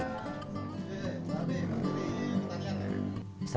saya di kota makassar